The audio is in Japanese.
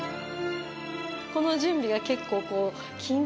この準備が結構こう緊張と